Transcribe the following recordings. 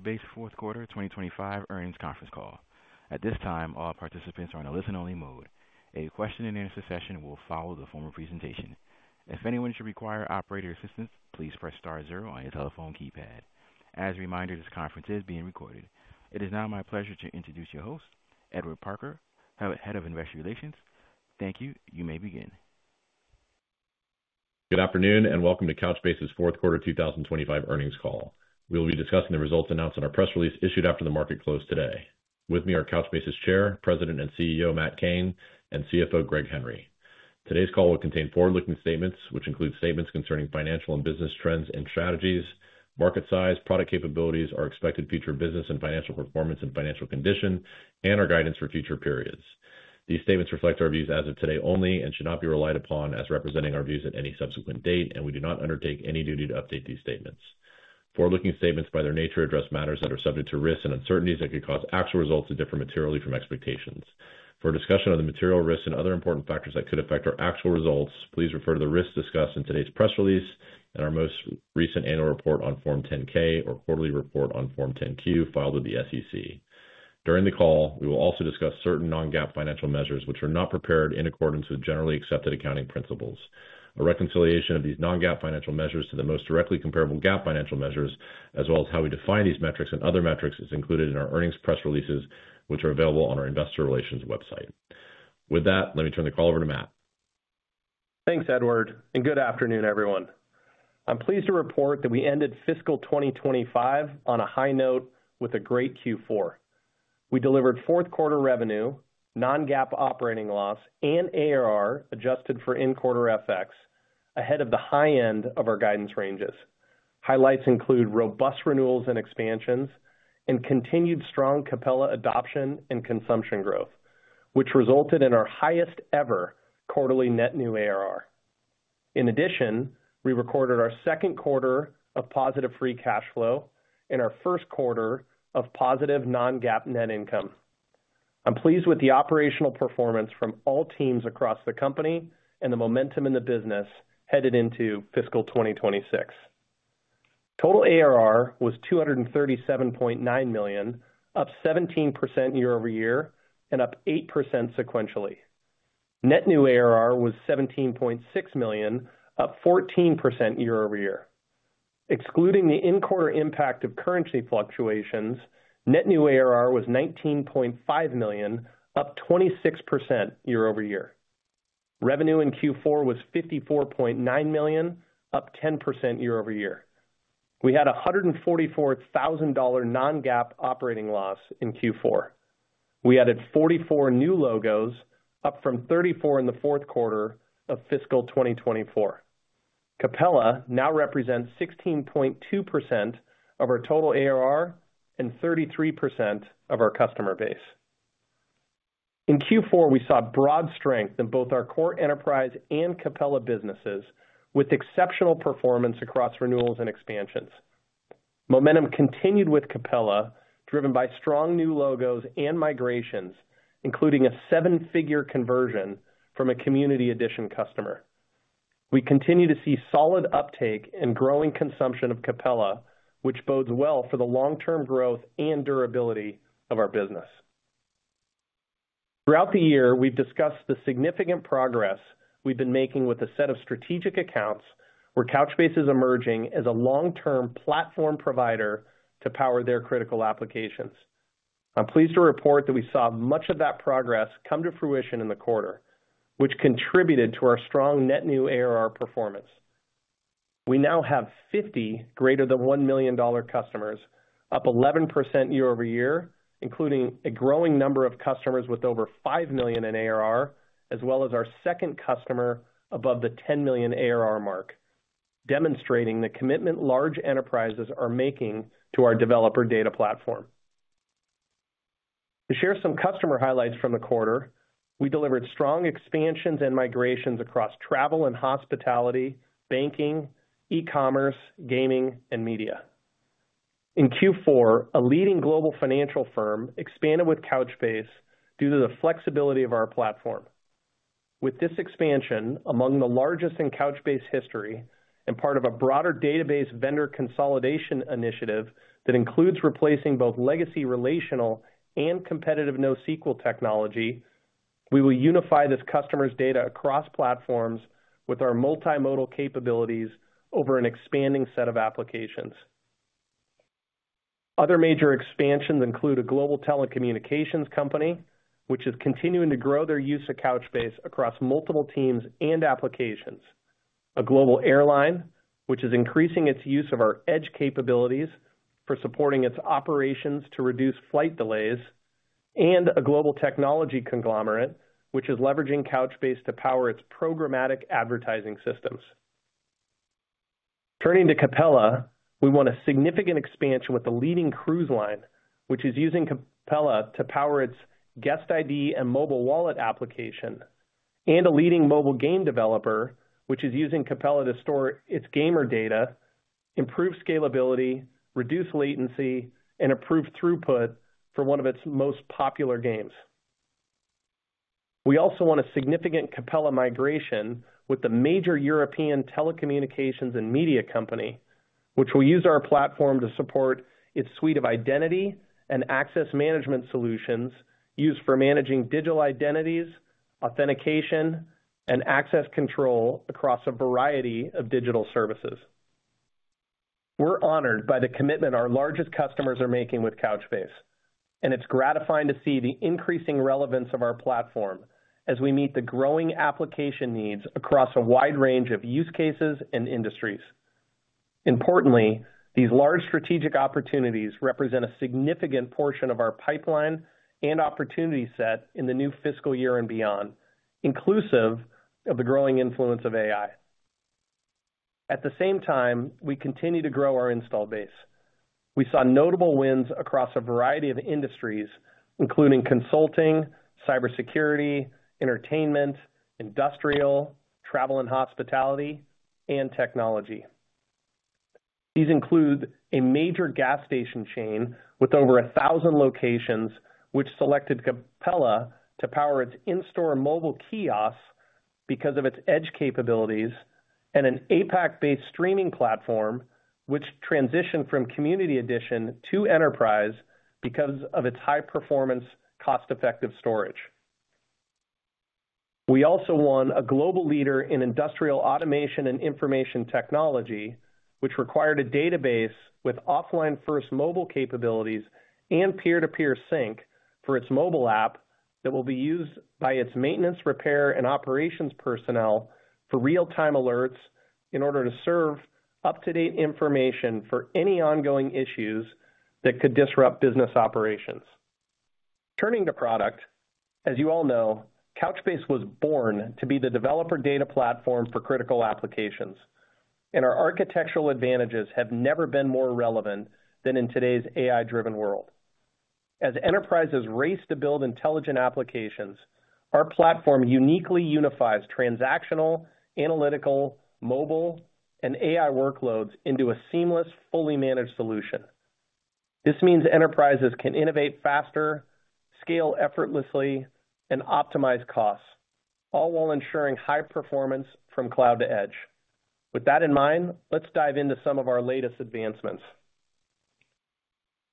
Couchbase Fourth Quarter2025 Earnings Conference Call. At this time, all participants are in a listen-only mode. A question-and-answer session will follow the formal presentation. If anyone should require operator assistance, please press star zero on your telephone keypad. As a reminder, this conference is being recorded. It is now my pleasure to introduce your host, Edward Parker, Head of Investor Relations. Thank you. You may begin. Good afternoon and welcome to Couchbase's Fourth Quarter 2025 earnings call. We will be discussing the results announced in our press release issued after the market closed today. With me are Couchbase's Chair, President and CEO Matt Cain, and CFO Greg Henry. Today's call will contain forward-looking statements, which include statements concerning financial and business trends and strategies, market size, product capabilities, our expected future business and financial performance and financial condition, and our guidance for future periods. These statements reflect our views as of today only and should not be relied upon as representing our views at any subsequent date, and we do not undertake any duty to update these statements. Forward-looking statements, by their nature, address matters that are subject to risks and uncertainties that could cause actual results to differ materially from expectations. For discussion of the material risks and other important factors that could affect our actual results, please refer to the risks discussed in today's press release and our most recent annual report on Form 10-K or quarterly report on Form 10-Q filed with the SEC. During the call, we will also discuss certain non-GAAP financial measures which are not prepared in accordance with generally accepted accounting principles. A reconciliation of these non-GAAP financial measures to the most directly comparable GAAP financial measures, as well as how we define these metrics and other metrics, is included in our earnings press releases, which are available on our investor relations website. With that, let me turn the call over to Matt. Thanks, Edward, and good afternoon, everyone. I'm pleased to report that we ended fiscal 2025 on a high note with a great Q4. We delivered fourth quarter revenue, non-GAAP operating loss, and ARR adjusted for in-quarter FX ahead of the high end of our guidance ranges. Highlights include robust renewals and expansions and continued strong Capella adoption and consumption growth, which resulted in our highest-ever quarterly net new ARR. In addition, we recorded our second quarter of positive free cash flow and our first quarter of positive non-GAAP net income. I'm pleased with the operational performance from all teams across the company and the momentum in the business headed into fiscal 2026. Total ARR was $237.9 million, up 17% year over year and up 8% sequentially. Net new ARR was $17.6 million, up 14% year over year. Excluding the in-quarter impact of currency fluctuations, net new ARR was $19.5 million, up 26% year over year. Revenue in Q4 was $54.9 million, up 10% year over year. We had a $144,000 non-GAAP operating loss in Q4. We added 44 new logos, up from 34 in the fourth quarter of fiscal 2024. Capella now represents 16.2% of our total ARR and 33% of our customer base. In Q4, we saw broad strength in both our core enterprise and Capella businesses, with exceptional performance across renewals and expansions. Momentum continued with Capella, driven by strong new logos and migrations, including a seven-figure conversion from a community edition customer. We continue to see solid uptake and growing consumption of Capella, which bodes well for the long-term growth and durability of our business. Throughout the year, we've discussed the significant progress we've been making with a set of strategic accounts where Couchbase is emerging as a long-term platform provider to power their critical applications. I'm pleased to report that we saw much of that progress come to fruition in the quarter, which contributed to our strong net new ARR performance. We now have 50 greater than $1 million customers, up 11% year over year, including a growing number of customers with over 5 million in ARR, as well as our second customer above the 10 million ARR mark, demonstrating the commitment large enterprises are making to our developer data platform. To share some customer highlights from the quarter, we delivered strong expansions and migrations across travel and hospitality, banking, e-commerce, gaming, and media. In Q4, a leading global financial firm expanded with Couchbase due to the flexibility of our platform. With this expansion, among the largest in Couchbase history and part of a broader database vendor consolidation initiative that includes replacing both legacy relational and competitive NoSQL technology, we will unify this customer's data across platforms with our multimodal capabilities over an expanding set of applications. Other major expansions include a global telecommunications company, which is continuing to grow their use of Couchbase across multiple teams and applications, a global airline, which is increasing its use of our edge capabilities for supporting its operations to reduce flight delays, and a global technology conglomerate, which is leveraging Couchbase to power its programmatic advertising systems. Turning to Capella, we won a significant expansion with a leading cruise line, which is using Capella to power its guest ID and mobile wallet application and a leading mobile game developer, which is using Capella to store its gamer data, improve scalability, reduce latency, and improve throughput for one of its most popular games. We also won a significant Capella migration with a major European telecommunications and media company, which will use our platform to support its suite of identity and access management solutions used for managing digital identities, authentication, and access control across a variety of digital services. We're honored by the commitment our largest customers are making with Couchbase, and it's gratifying to see the increasing relevance of our platform as we meet the growing application needs across a wide range of use cases and industries. Importantly, these large strategic opportunities represent a significant portion of our pipeline and opportunity set in the new fiscal year and beyond, inclusive of the growing influence of AI. At the same time, we continue to grow our installed base. We saw notable wins across a variety of industries, including consulting, cybersecurity, entertainment, industrial, travel and hospitality, and technology. These include a major gas station chain with over 1,000 locations, which selected Capella to power its in-store mobile kiosks because of its edge capabilities, and an APAC-based streaming platform, which transitioned from Community Edition to Enterprise because of its high-performance, cost-effective storage. We also won a global leader in industrial automation and information technology, which required a database with offline-first mobile capabilities and peer-to-peer sync for its mobile app that will be used by its maintenance, repair, and operations personnel for real-time alerts in order to serve up-to-date information for any ongoing issues that could disrupt business operations. Turning to product, as you all know, Couchbase was born to be the developer data platform for critical applications, and our architectural advantages have never been more relevant than in today's AI-driven world. As enterprises race to build intelligent applications, our platform uniquely unifies transactional, analytical, mobile, and AI workloads into a seamless, fully managed solution. This means enterprises can innovate faster, scale effortlessly, and optimize costs, all while ensuring high performance from cloud to edge. With that in mind, let's dive into some of our latest advancements.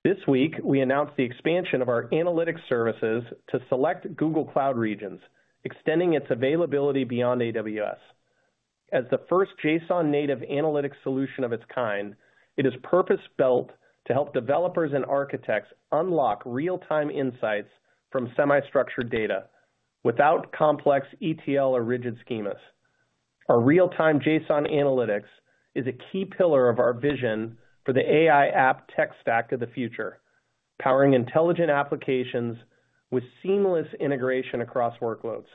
This week, we announced the expansion of our analytics services to select Google Cloud regions, extending its availability beyond AWS. As the first JSON-native analytics solution of its kind, it is purpose-built to help developers and architects unlock real-time insights from semi-structured data without complex ETL or rigid schemas. Our real-time JSON analytics is a key pillar of our vision for the AI app tech stack of the future, powering intelligent applications with seamless integration across workloads.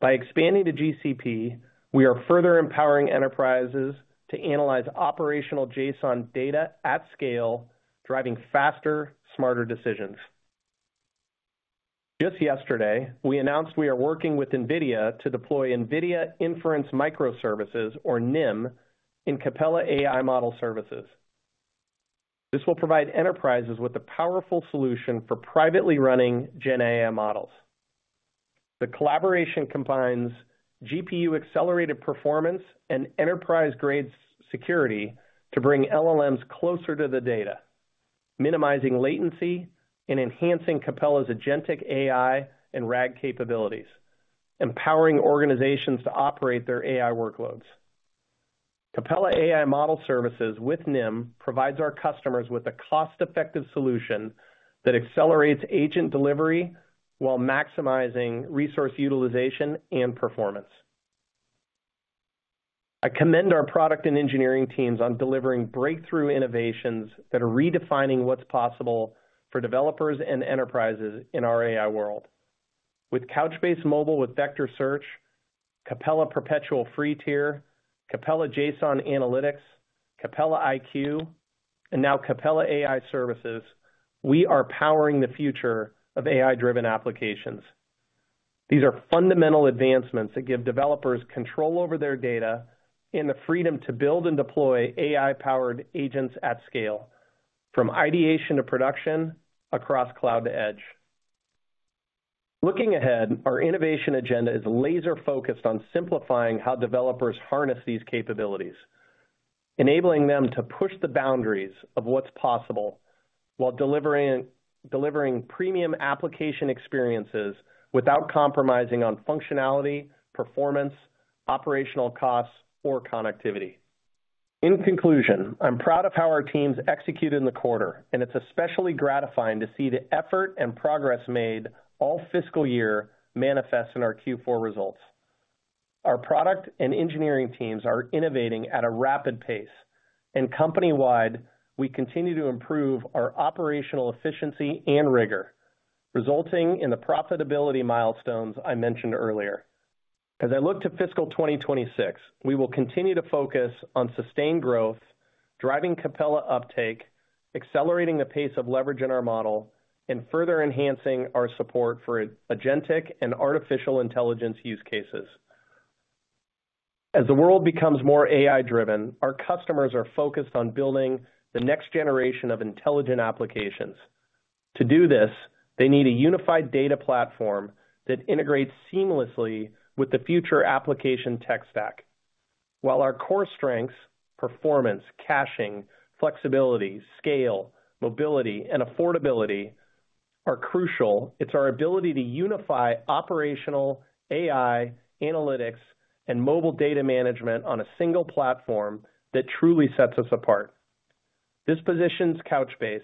By expanding to GCP, we are further empowering enterprises to analyze operational JSON data at scale, driving faster, smarter decisions. Just yesterday, we announced we are working with NVIDIA to deploy NVIDIA Inference Microservices, or NIM, in Capella AI Model Services. This will provide enterprises with a powerful solution for privately running Gen AI models. The collaboration combines GPU-accelerated performance and enterprise-grade security to bring LLMs closer to the data, minimizing latency and enhancing Capella's agentic AI and RAG capabilities, empowering organizations to operate their AI workloads. Capella AI Model Services with NIM provide our customers with a cost-effective solution that accelerates agent delivery while maximizing resource utilization and performance. I commend our product and engineering teams on delivering breakthrough innovations that are redefining what's possible for developers and enterprises in our AI world. With Couchbase Mobile with vector search, Capella perpetual free tier, Capella JSON analytics, Capella iQ, and now Capella AI Services, we are powering the future of AI-driven applications. These are fundamental advancements that give developers control over their data and the freedom to build and deploy AI-powered agents at scale, from ideation to production across cloud to edge. Looking ahead, our innovation agenda is laser-focused on simplifying how developers harness these capabilities, enabling them to push the boundaries of what's possible while delivering premium application experiences without compromising on functionality, performance, operational costs, or connectivity. In conclusion, I'm proud of how our teams executed in the quarter, and it's especially gratifying to see the effort and progress made all fiscal year manifest in our Q4 results. Our product and engineering teams are innovating at a rapid pace, and company-wide, we continue to improve our operational efficiency and rigor, resulting in the profitability milestones I mentioned earlier. As I look to fiscal 2026, we will continue to focus on sustained growth, driving Capella uptake, accelerating the pace of leverage in our model, and further enhancing our support for agentic and artificial intelligence use cases. As the world becomes more AI-driven, our customers are focused on building the next generation of intelligent applications. To do this, they need a unified data platform that integrates seamlessly with the future application tech stack. While our core strengths - performance, caching, flexibility, scale, mobility, and affordability - are crucial, it's our ability to unify operational AI analytics and mobile data management on a single platform that truly sets us apart. This positions Couchbase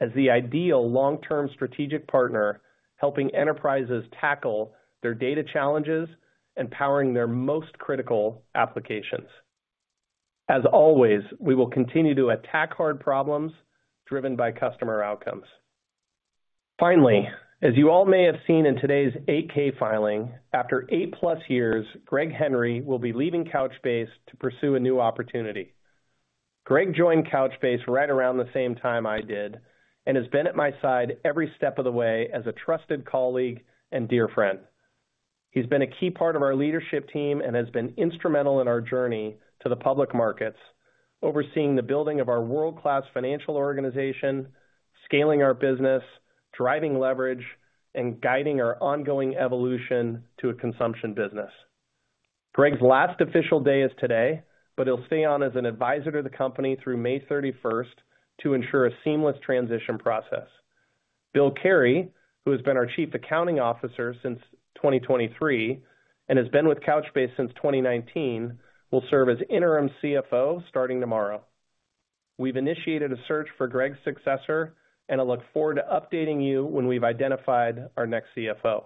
as the ideal long-term strategic partner, helping enterprises tackle their data challenges and powering their most critical applications. As always, we will continue to attack hard problems driven by customer outcomes. Finally, as you all may have seen in today's 8-K filing, after eight-plus years, Greg Henry will be leaving Couchbase to pursue a new opportunity. Greg joined Couchbase right around the same time I did and has been at my side every step of the way as a trusted colleague and dear friend. He's been a key part of our leadership team and has been instrumental in our journey to the public markets, overseeing the building of our world-class financial organization, scaling our business, driving leverage, and guiding our ongoing evolution to a consumption business. Greg's last official day is today, but he'll stay on as an advisor to the company through May 31st to ensure a seamless transition process. Bill Carey, who has been our Chief Accounting Officer since 2023 and has been with Couchbase since 2019, will serve as Interim CFO starting tomorrow. We've initiated a search for Greg's successor, and I look forward to updating you when we've identified our next CFO.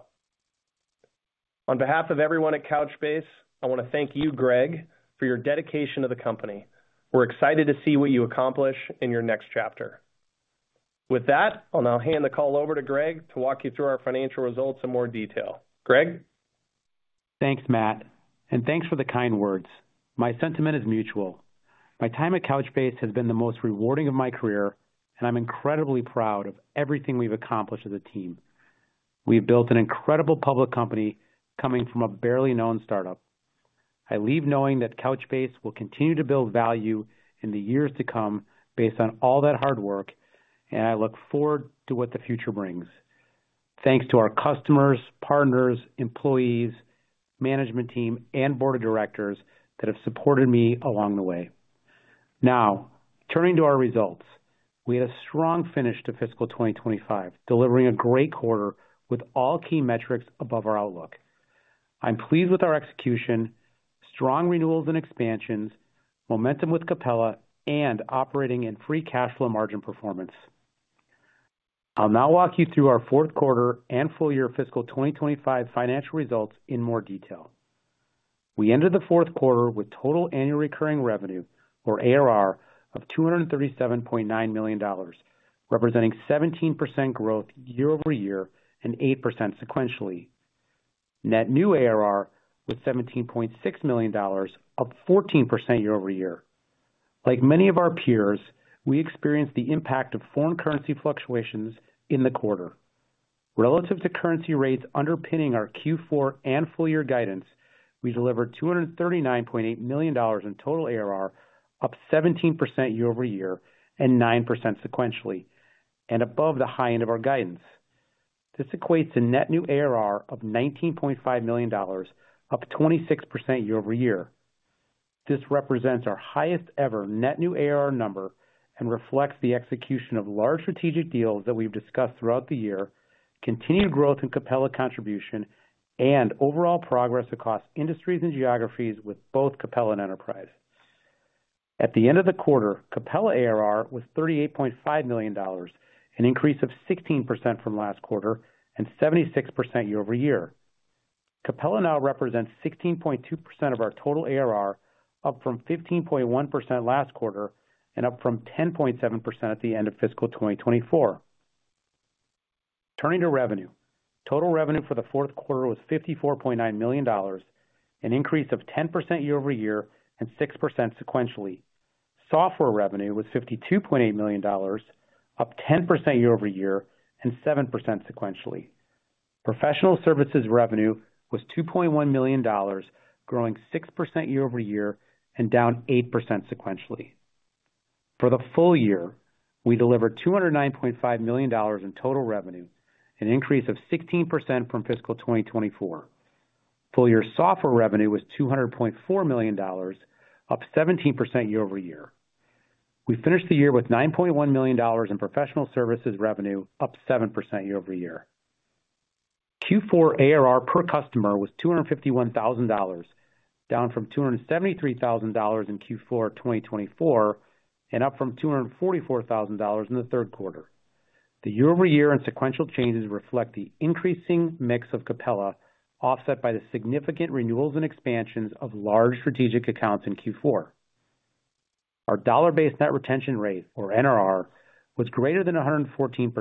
On behalf of everyone at Couchbase, I want to thank you, Greg, for your dedication to the company. We're excited to see what you accomplish in your next chapter. With that, I'll now hand the call over to Greg to walk you through our financial results in more detail. Greg? Thanks, Matt, and thanks for the kind words. My sentiment is mutual. My time at Couchbase has been the most rewarding of my career, and I'm incredibly proud of everything we've accomplished as a team. We've built an incredible public company coming from a barely known startup. I leave knowing that Couchbase will continue to build value in the years to come based on all that hard work, and I look forward to what the future brings. Thanks to our customers, partners, employees, management team, and board of directors that have supported me along the way. Now, turning to our results, we had a strong finish to fiscal 2025, delivering a great quarter with all key metrics above our outlook. I'm pleased with our execution, strong renewals and expansions, momentum with Capella, and operating in free cash flow margin performance. I'll now walk you through our fourth quarter and full year fiscal 2025 financial results in more detail. We entered the fourth quarter with total annual recurring revenue, or ARR, of $237.9 million, representing 17% growth year over year and 8% sequentially. Net new ARR was $17.6 million, up 14% year over year. Like many of our peers, we experienced the impact of foreign currency fluctuations in the quarter. Relative to currency rates underpinning our Q4 and full year guidance, we delivered $239.8 million in total ARR, up 17% year over year and 9% sequentially, and above the high end of our guidance. This equates to net new ARR of $19.5 million, up 26% year over year. This represents our highest ever net new ARR number and reflects the execution of large strategic deals that we've discussed throughout the year, continued growth in Capella contribution, and overall progress across industries and geographies with both Capella and enterprise. At the end of the quarter, Capella ARR was $38.5 million, an increase of 16% from last quarter and 76% year over year. Capella now represents 16.2% of our total ARR, up from 15.1% last quarter and up from 10.7% at the end of fiscal 2024. Turning to revenue, total revenue for the fourth quarter was $54.9 million, an increase of 10% year over year and 6% sequentially. Software revenue was $52.8 million, up 10% year over year and 7% sequentially. Professional services revenue was $2.1 million, growing 6% year over year and down 8% sequentially. For the full year, we delivered $209.5 million in total revenue, an increase of 16% from fiscal 2024. Full year software revenue was $200.4 million, up 17% year over year. We finished the year with $9.1 million in professional services revenue, up 7% year over year. Q4 ARR per customer was $251,000, down from $273,000 in Q4 2024 and up from $244,000 in the Q3. The year-over-year and sequential changes reflect the increasing mix of Capella, offset by the significant renewals and expansions of large strategic accounts in Q4. Our dollar-based net retention rate, or NRR, was greater than 114%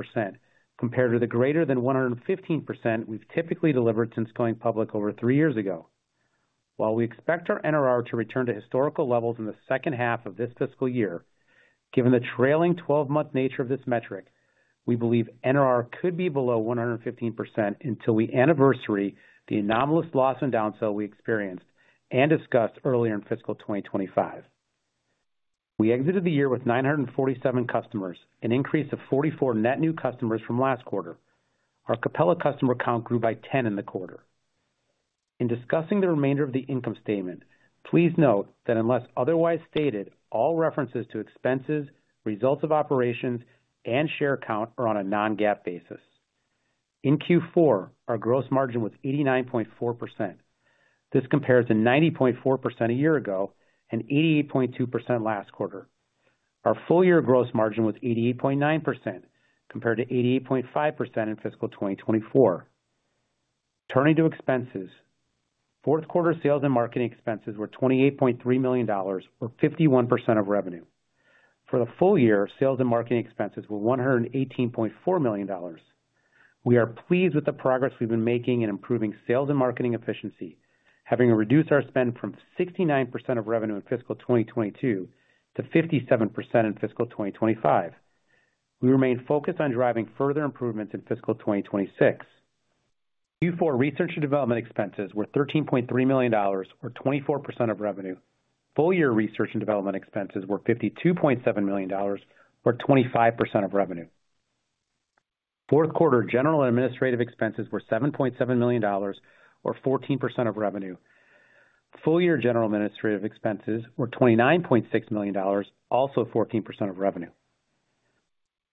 compared to the greater than 115% we've typically delivered since going public over three years ago. While we expect our NRR to return to historical levels in the second half of this fiscal year, given the trailing 12-month nature of this metric, we believe NRR could be below 115% until we anniversary the anomalous loss and downsell we experienced and discussed earlier in fiscal 2025. We exited the year with 947 customers, an increase of 44 net new customers from last quarter. Our Capella customer count grew by 10 in the quarter. In discussing the remainder of the income statement, please note that unless otherwise stated, all references to expenses, results of operations, and share count are on a non-GAAP basis. In Q4, our gross margin was 89.4%. This compares to 90.4% a year ago and 88.2% last quarter. Our full year gross margin was 88.9% compared to 88.5% in fiscal 2024. Turning to expenses,, fourth quarter sales and marketing expenses were $28.3 million, or 51% of revenue. For the full year, sales and marketing expenses were $118.4 million. We are pleased with the progress we've been making in improving sales and marketing efficiency, having reduced our spend from 69% of revenue in fiscal 2022 to 57% in fiscal 2025. We remain focused on driving further improvements in fiscal 2026. Q4 research and development expenses were $13.3 million, or 24% of revenue. Full year research and development expenses were $52.7 million, or 25% of revenue. fourth quarter general administrative expenses were $7.7 million, or 14% of revenue. Full year general administrative expenses were $29.6 million, also 14% of revenue.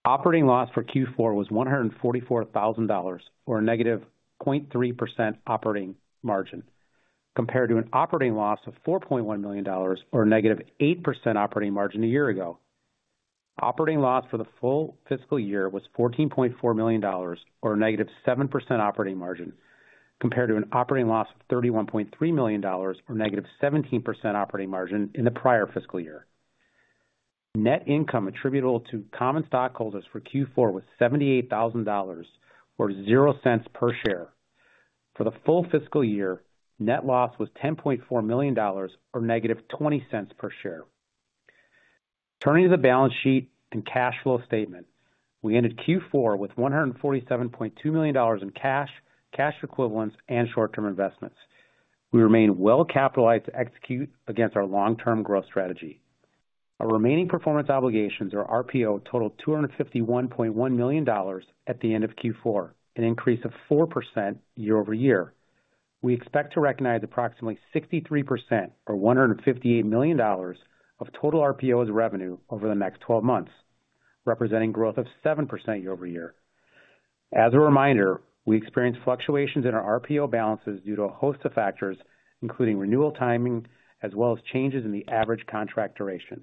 Operating loss for Q4 was $144,000, or a negative 0.3% operating margin, compared to an operating loss of $4.1 million, or a negative 8% operating margin a year ago. Operating loss for the full fiscal year was $14.4 million, or a negative 7% operating margin, compared to an operating loss of $31.3 million, or a negative 17% operating margin in the prior fiscal year. Net income attributable to common stockholders for Q4 was $78,000, or $0.00 per share. For the full fiscal year, net loss was $10.4 million, or negative $0.20 per share. Turning to the balance sheet and cash flow statement, we ended Q4 with $147.2 million in cash, cash equivalents, and short-term investments. We remain well-capitalized to execute against our long-term growth strategy. Our remaining performance obligations, or RPO, totaled $251.1 million at the end of Q4, an increase of 4% year over year. We expect to recognize approximately 63%, or $158 million, of total RPO's revenue over the next 12 months, representing growth of 7% year over year. As a reminder, we experienced fluctuations in our RPO balances due to a host of factors, including renewal timing, as well as changes in the average contract duration.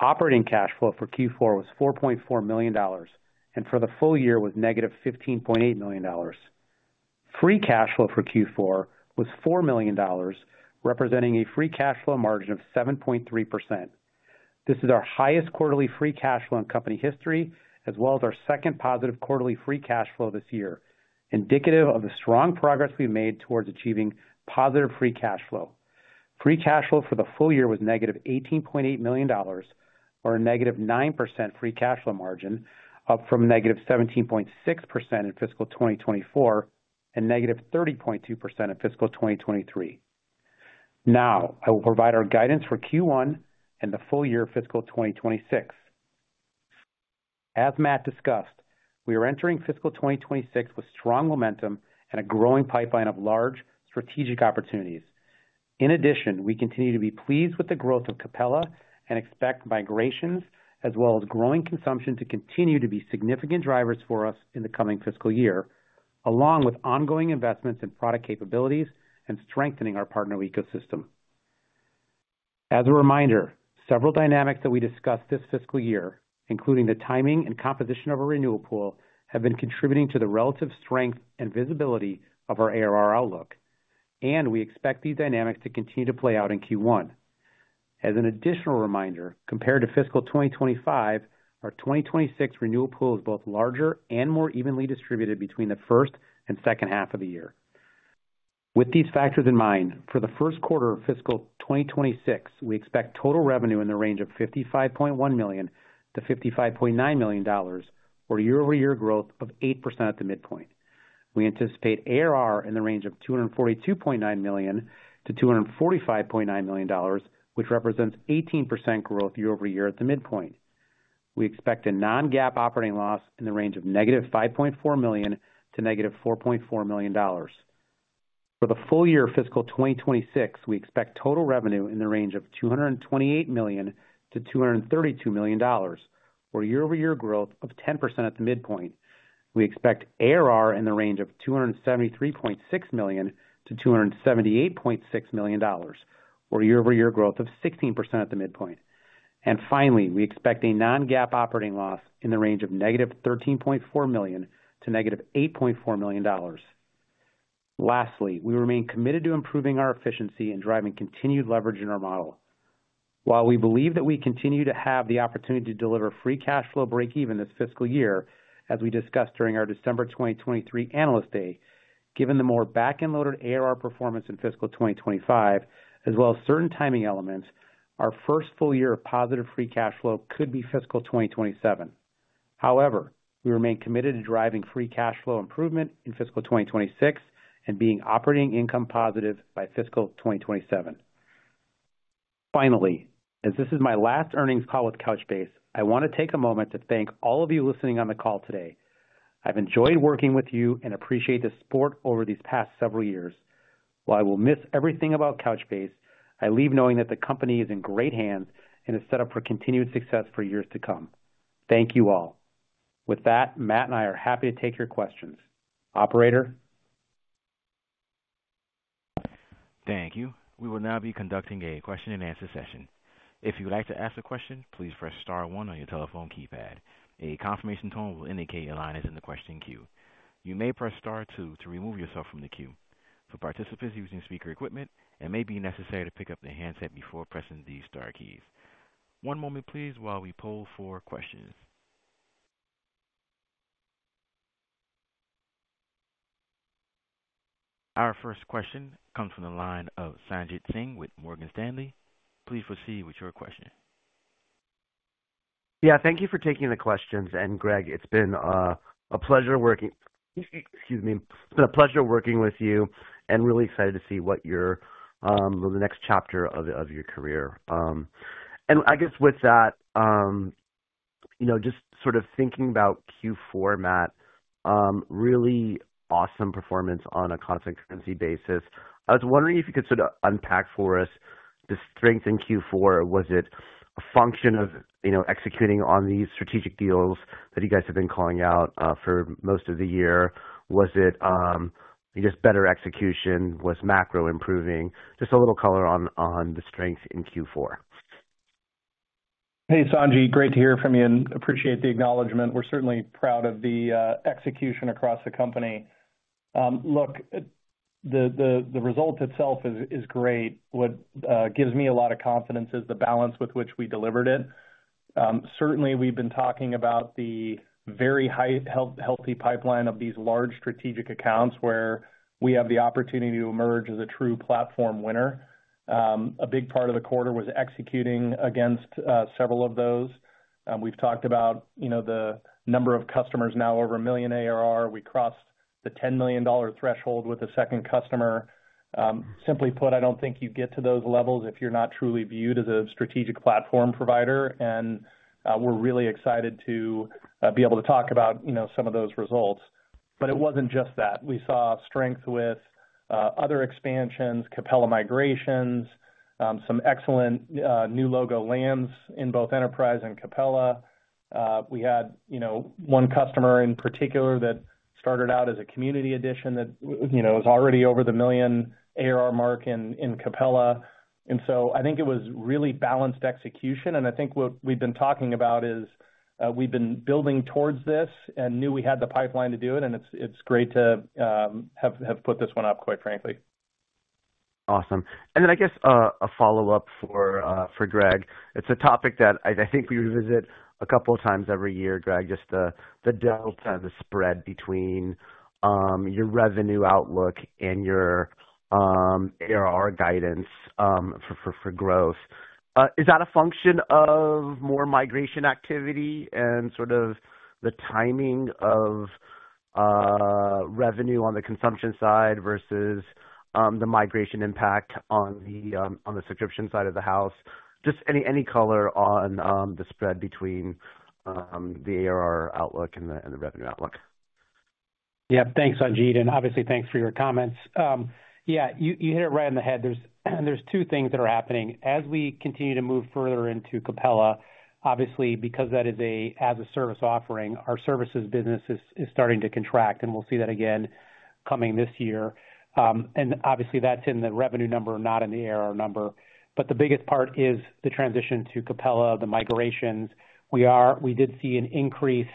Operating cash flow for Q4 was $4.4 million, and for the full year was negative $15.8 million. Free cash flow for Q4 was $4 million, representing a free cash flow margin of 7.3%. This is our highest quarterly free cash flow in company history, as well as our second positive quarterly free cash flow this year, indicative of the strong progress we've made towards achieving positive free cash flow. Free cash flow for the full year was negative $18.8 million, or a negative 9% free cash flow margin, up from negative 17.6% in fiscal 2024 and negative 30.2% in fiscal 2023. Now, I will provide our guidance for Q1 and the full year fiscal 2026. As Matt discussed, we are entering fiscal 2026 with strong momentum and a growing pipeline of large strategic opportunities. In addition, we continue to be pleased with the growth of Capella and expect migrations, as well as growing consumption, to continue to be significant drivers for us in the coming fiscal year, along with ongoing investments in product capabilities and strengthening our partner ecosystem. As a reminder, several dynamics that we discussed this fiscal year, including the timing and composition of our renewal pool, have been contributing to the relative strength and visibility of our ARR outlook, and we expect these dynamics to continue to play out in Q1. As an additional reminder, compared to fiscal 2025, our 2026 renewal pool is both larger and more evenly distributed between the first and second half of the year. With these factors in mind, for the first quarter of fiscal 2026, we expect total revenue in the range of $55.1-$55.9 million, or year-over-year growth of 8% at the midpoint. We anticipate ARR in the range of $242.9-$245.9 million, which represents 18% growth year-over-year at the midpoint. We expect a non-GAAP operating loss in the range of negative $5.4-$4.4 million. For the full year fiscal 2026, we expect total revenue in the range of $228-$232 million, or year-over-year growth of 10% at the midpoint. We expect ARR in the range of $273.6-$278.6 million, or year-over-year growth of 16% at the midpoint. And finally, we expect a non-GAAP operating loss in the range of negative $13.4-$8.4 million. Lastly, we remain committed to improving our efficiency and driving continued leverage in our model. While we believe that we continue to have the opportunity to deliver free cash flow break-even this fiscal year, as we discussed during our December 2023 analyst day, given the more back-end-loaded ARR performance in fiscal 2025, as well as certain timing elements, our first full year of positive free cash flow could be fiscal 2027. However, we remain committed to driving free cash flow improvement in fiscal 2026 and being operating income positive by fiscal 2027. Finally, as this is my last earnings call with Couchbase, I want to take a moment to thank all of you listening on the call today. I've enjoyed working with you and appreciate the support over these past several years. While I will miss everything about Couchbase, I leave knowing that the company is in great hands and is set up for continued success for years to come. Thank you all. With that, Matt and I are happy to take your questions. Operator. Thank you. We will now be conducting a question-and-answer session. If you'd like to ask a question, please press star one on your telephone keypad. A confirmation tone will indicate your line is in the question queue. You may press star two to remove yourself from the queue. For participants using speaker equipment, it may be necessary to pick up the handset before pressing these star keys. One moment, please, while we poll for questions. Our first question comes from the line of Sanjit Singh with Morgan Stanley. Please proceed with your question. Yeah, thank you for taking the questions. And Greg, it's been a pleasure working. Excuse me, it's been a pleasure working with you and really excited to see what the next chapter of your career. I guess with that, just sort of thinking about Q4, Matt, really awesome performance on a constant currency basis. I was wondering if you could sort of unpack for us the strength in Q4. Was it a function of executing on these strategic deals that you guys have been calling out for most of the year? Was it just better execution? Was macro improving? Just a little color on the strength in Q4. Hey, Sanjit, great to hear from you and appreciate the acknowledgment. We're certainly proud of the execution across the company. Look, the result itself is great. What gives me a lot of confidence is the balance with which we delivered it. Certainly, we've been talking about the very healthy pipeline of these large strategic accounts where we have the opportunity to emerge as a true platform winner. A big part of the quarter was executing against several of those. We've talked about the number of customers now over a million ARR. We crossed the $10 million threshold with a second customer. Simply put, I don't think you get to those levels if you're not truly viewed as a strategic platform provider, and we're really excited to be able to talk about some of those results, but it wasn't just that. We saw strength with other expansions, Capella migrations, some excellent new logo lands in both Enterprise and Capella. We had one customer in particular that started out as a Community Edition that was already over the million ARR mark in Capella. And so I think it was really balanced execution. And I think what we've been talking about is we've been building towards this and knew we had the pipeline to do it. And it's great to have put this one up, quite frankly. Awesome. And then I guess a follow-up for Greg. It's a topic that I think we revisit a couple of times every year, Greg, just the delta, the spread between your revenue outlook and your ARR guidance for growth. Is that a function of more migration activity and sort of the timing of revenue on the consumption side versus the migration impact on the subscription side of the house? Just any color on the spread between the ARR outlook and the revenue outlook. Yeah, thanks, Sanjit. And obviously, thanks for your comments. Yeah, you hit it right on the head. There's two things that are happening. As we continue to move further into Capella, obviously, because that is a as-a-service offering, our services business is starting to contract, and we'll see that again coming this year. And obviously, that's in the revenue number, not in the ARR number. But the biggest part is the transition to Capella, the migrations. We did see an increase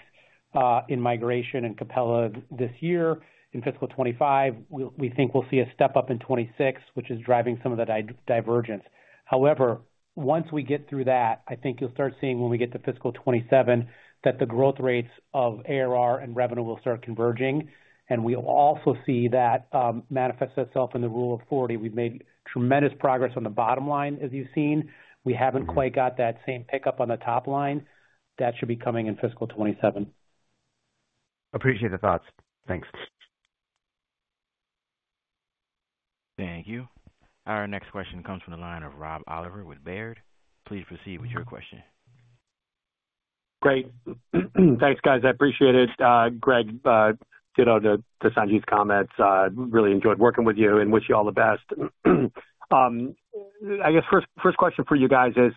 in migration in Capella this year. In fiscal 2025, we think we'll see a step up in 2026, which is driving some of the divergence. However, once we get through that, I think you'll start seeing when we get to fiscal 2027 that the growth rates of ARR and revenue will start converging. And we'll also see that manifest itself in the Rule of 40. We've made tremendous progress on the bottom line, as you've seen. We haven't quite got that same pickup on the top line. That should be coming in fiscal 2027. Appreciate the thoughts. Thanks. Thank you. Our next question comes from the line of Rob Oliver with Baird. Please proceed with your question. Great. Thanks, guys. I appreciate it. Greg, kudos to Sanjit's comments. Really enjoyed working with you and wish you all the best. I guess first question for you guys is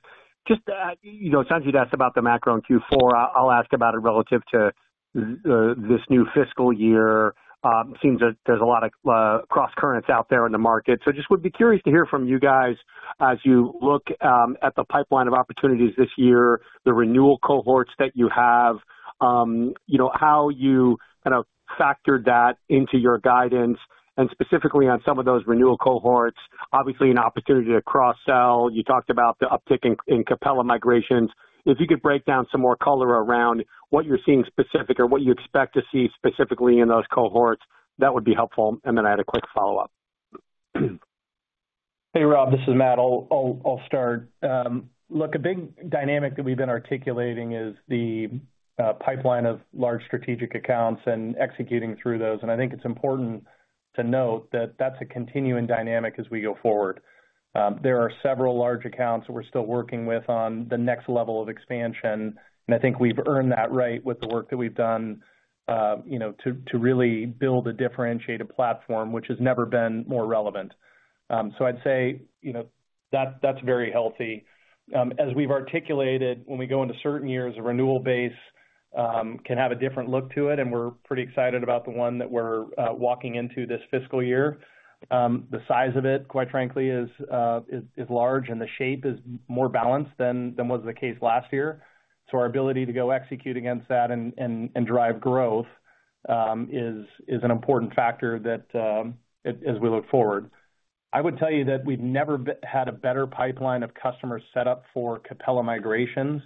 just Sanjit asked about the macro in Q4. I'll ask about it relative to this new fiscal year. It seems that there's a lot of cross-currents out there in the market. So I just would be curious to hear from you guys as you look at the pipeline of opportunities this year, the renewal cohorts that you have, how you kind of factored that into your guidance, and specifically on some of those renewal cohorts, obviously an opportunity to cross-sell. You talked about the uptick in Capella migrations. If you could break down some more color around what you're seeing specific or what you expect to see specifically in those cohorts, that would be helpful. And then I had a quick follow-up. Hey, Rob, this is Matt. I'll start. Look, a big dynamic that we've been articulating is the pipeline of large strategic accounts and executing through those. And I think it's important to note that that's a continuing dynamic as we go forward. There are several large accounts that we're still working with on the next level of expansion. And I think we've earned that right with the work that we've done to really build a differentiated platform, which has never been more relevant. So I'd say that's very healthy. As we've articulated, when we go into certain years, a renewal base can have a different look to it. And we're pretty excited about the one that we're walking into this fiscal year. The size of it, quite frankly, is large, and the shape is more balanced than was the case last year. So our ability to go execute against that and drive growth is an important factor as we look forward. I would tell you that we've never had a better pipeline of customers set up for Capella migrations.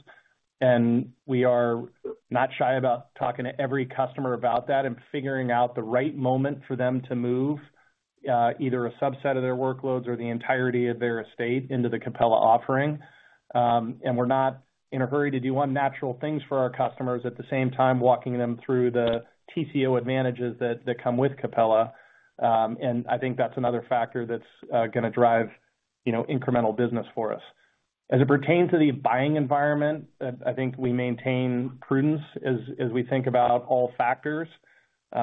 And we are not shy about talking to every customer about that and figuring out the right moment for them to move either a subset of their workloads or the entirety of their estate into the Capella offering. And we're not in a hurry to do unnatural things for our customers at the same time walking them through the TCO advantages that come with Capella. And I think that's another factor that's going to drive incremental business for us. As it pertains to the buying environment, I think we maintain prudence as we think about all factors.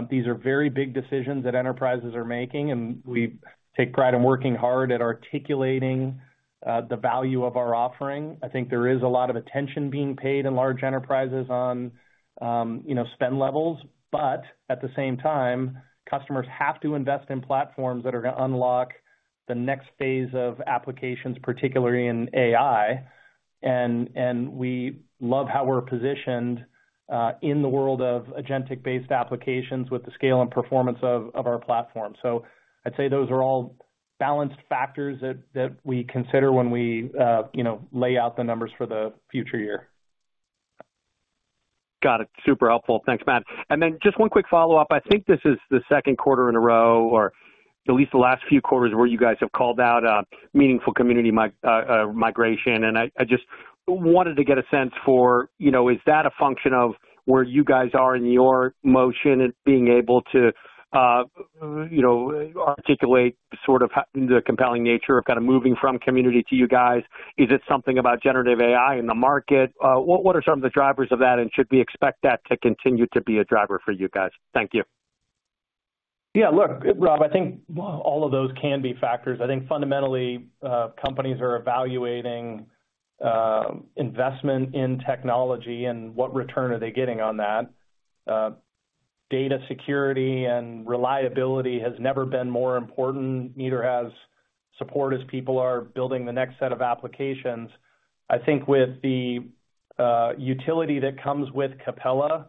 These are very big decisions that enterprises are making, and we take pride in working hard at articulating the value of our offering. I think there is a lot of attention being paid in large enterprises on spend levels. But at the same time, customers have to invest in platforms that are going to unlock the next phase of applications, particularly in AI. And we love how we're positioned in the world of agentic-based applications with the scale and performance of our platform. So I'd say those are all balanced factors that we consider when we lay out the numbers for the future year. Got it. Super helpful. Thanks, Matt. And then just one quick follow-up. I think this is the second quarter in a row, or at least the last few quarters where you guys have called out meaningful community migration. And I just wanted to get a sense for, is that a function of where you guys are in your motion and being able to articulate sort of the compelling nature of kind of moving from community to you guys? Is it something about generative AI in the market? What are some of the drivers of that, and should we expect that to continue to be a driver for you guys? Thank you. Yeah, look, Rob, I think all of those can be factors. I think fundamentally, companies are evaluating investment in technology and what return are they getting on that. Data security and reliability has never been more important, neither has support as people are building the next set of applications. I think with the utility that comes with Capella,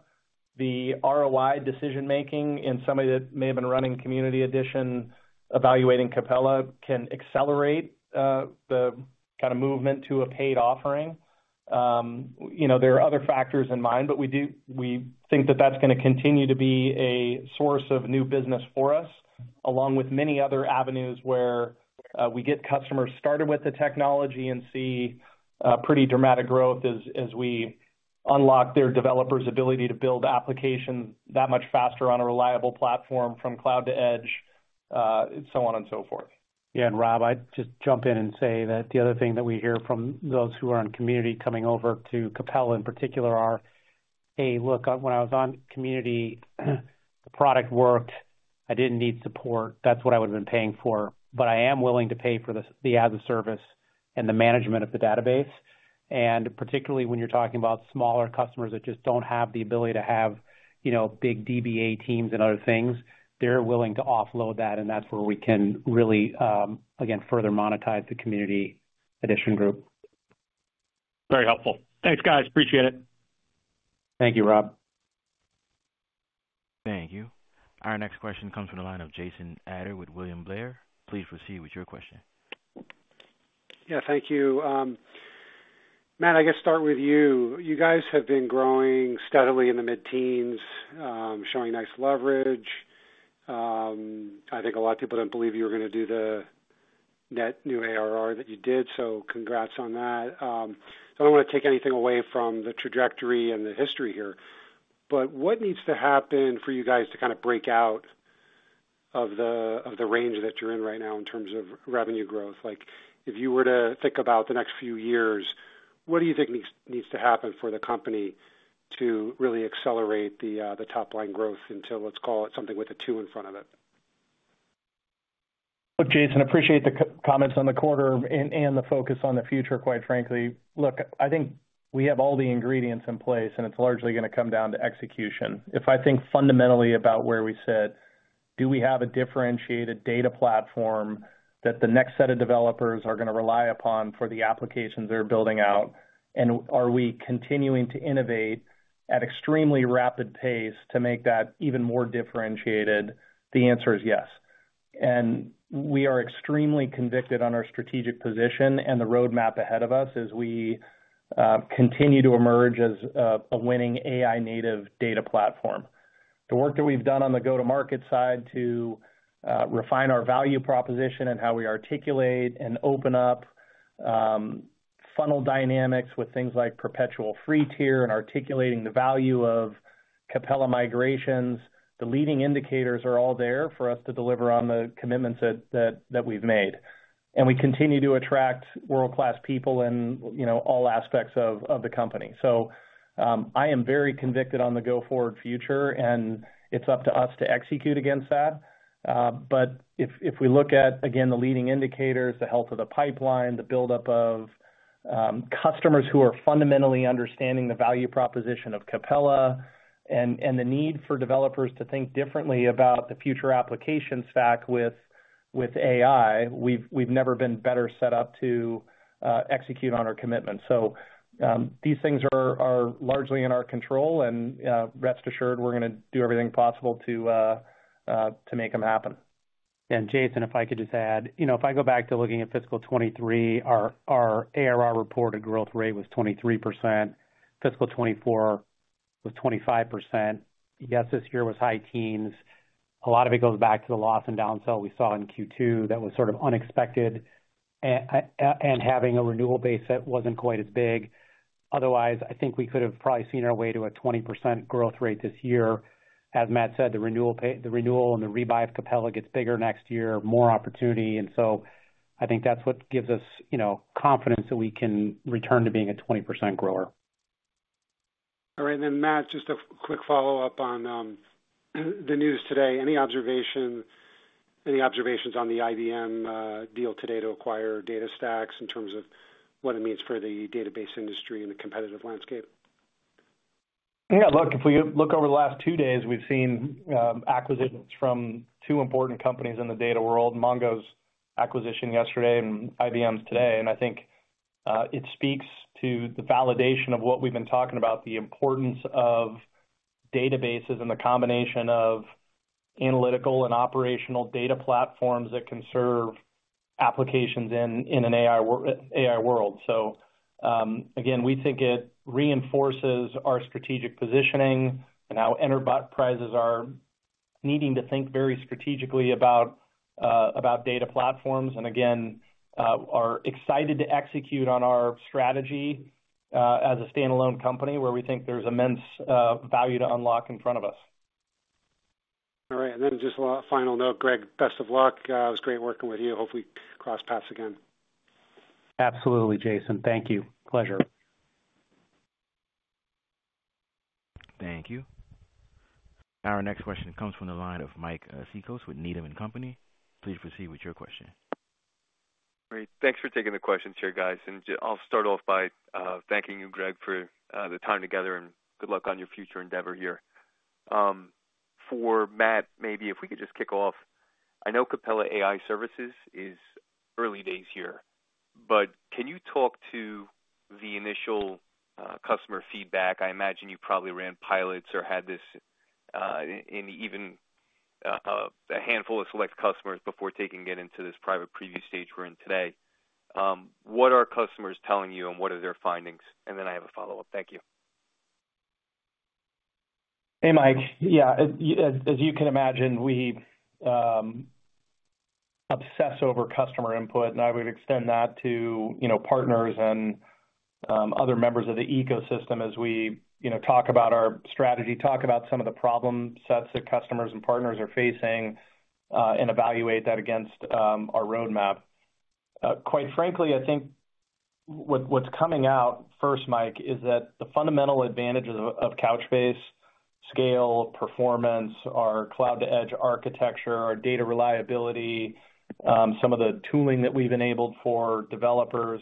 the ROI decision-making in somebody that may have been running Community Edition evaluating Capella can accelerate the kind of movement to a paid offering. There are other factors in mind, but we think that that's going to continue to be a source of new business for us, along with many other avenues where we get customers started with the technology and see pretty dramatic growth as we unlock their developer's ability to build applications that much faster on a reliable platform from cloud to edge, so on and so forth. Yeah, and Rob, I'd just jump in and say that the other thing that we hear from those who are in Community coming over to Capella in particular are, "Hey, look, when I was on Community, the product worked. I didn't need support. That's what I would have been paying for. But I am willing to pay for the as-a-service and the management of the database." And particularly when you're talking about smaller customers that just don't have the ability to have big DBA teams and other things, they're willing to offload that. And that's where we can really, again, further monetize the Community Edition group. Very helpful. Thanks, guys. Appreciate it. Thank you, Rob. Thank you. Our next question comes from the line of Jason Ader with William Blair. Please proceed with your question. Yeah, thank you. Matt, I guess start with you. You guys have been growing steadily in the mid-teens, showing nice leverage. I think a lot of people didn't believe you were going to do the net new ARR that you did, so congrats on that. I don't want to take anything away from the trajectory and the history here. But what needs to happen for you guys to kind of break out of the range that you're in right now in terms of revenue growth? If you were to think about the next few years, what do you think needs to happen for the company to really accelerate the top-line growth until, let's call it, something with a two in front of it? Well, Jason, appreciate the comments on the quarter and the focus on the future, quite frankly. Look, I think we have all the ingredients in place, and it's largely going to come down to execution. If I think fundamentally about where we sit, do we have a differentiated data platform that the next set of developers are going to rely upon for the applications they're building out? And are we continuing to innovate at extremely rapid pace to make that even more differentiated? The answer is yes, and we are extremely convicted on our strategic position and the roadmap ahead of us as we continue to emerge as a winning AI-native data platform. The work that we've done on the go-to-market side to refine our value proposition and how we articulate and open up funnel dynamics with things like perpetual free tier and articulating the value of Capella migrations. The leading indicators are all there for us to deliver on the commitments that we've made, and we continue to attract world-class people in all aspects of the company, so I am very convicted on the go-forward future, and it's up to us to execute against that. But if we look at, again, the leading indicators, the health of the pipeline, the buildup of customers who are fundamentally understanding the value proposition of Capella, and the need for developers to think differently about the future applications stack with AI, we've never been better set up to execute on our commitments. So these things are largely in our control. And rest assured, we're going to do everything possible to make them happen. And Jason, if I could just add, if I go back to looking at fiscal 2023, our ARR reported growth rate was 23%. Fiscal 2024 was 25%. Yes, this year was high teens. A lot of it goes back to the loss and downsell we saw in Q2 that was sort of unexpected. And having a renewal base that wasn't quite as big. Otherwise, I think we could have probably seen our way to a 20% growth rate this year. As Matt said, the renewal and the rebuy of Capella gets bigger next year, more opportunity. And so I think that's what gives us confidence that we can return to being a 20% grower. All right. And then, Matt, just a quick follow-up on the news today. Any observations on the IBM deal today to acquire DataStax in terms of what it means for the database industry and the competitive landscape? Yeah, look, if we look over the last two days, we've seen acquisitions from two important companies in the data world, Mongo's acquisition yesterday and IBM's today. And I think it speaks to the validation of what we've been talking about, the importance of databases and the combination of analytical and operational data platforms that can serve applications in an AI world. So again, we think it reinforces our strategic positioning and how enterprises are needing to think very strategically about data platforms. And again, are excited to execute on our strategy as a standalone company where we think there's immense value to unlock in front of us. All right. And then just a final note, Greg, best of luck. It was great working with you. Hopefully, we cross paths again. Absolutely, Jason. Thank you. Pleasure. Thank you. Our next question comes from the line of Mike Cikos with Needham & Company. Please proceed with your question. Great. Thanks for taking the questions here, guys. I'll start off by thanking you, Greg, for the time together, and good luck on your future endeavor here. For Matt, maybe if we could just kick off. I know Capella AI Services is early days here. But can you talk to the initial customer feedback? I imagine you probably ran pilots or had this in even a handful of select customers before taking it into this private preview stage we're in today. What are customers telling you, and what are their findings? And then I have a follow-up. Thank you. Hey, Mike. Yeah, as you can imagine, we obsess over customer input. And I would extend that to partners and other members of the ecosystem as we talk about our strategy, talk about some of the problem sets that customers and partners are facing, and evaluate that against our roadmap. Quite frankly, I think what's coming out first, Mike, is that the fundamental advantages of Couchbase, scale, performance, our cloud-to-edge architecture, our data reliability, some of the tooling that we've enabled for developers,